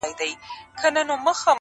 • دا خو رښتيا خبره.